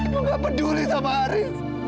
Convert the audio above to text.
kamu gak peduli sama haris